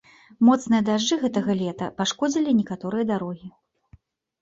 Моцныя дажджы гэтага лета пашкодзілі некаторыя дарогі.